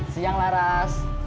siang lah ras